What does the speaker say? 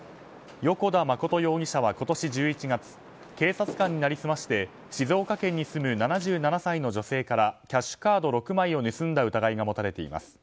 与古田慎容疑者は今年１１月警察官に成り済まして静岡県に住む７７歳の女性からキャッシュカード６枚を盗んだ疑いが持たれています。